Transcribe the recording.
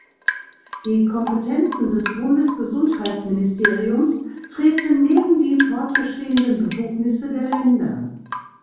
Die Kompetenzen des Bundesgesundheitsministeriums treten neben die fortbestehenden Befugnisse der Länder.